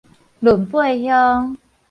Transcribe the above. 崙背鄉